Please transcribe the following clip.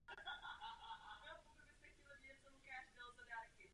Prusové střetnutí pojmenovali bitvou u Prahy a tento termín se vžil celosvětově.